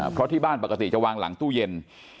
เพราะที่บ้านปกติจะวางหลังตู้เย็น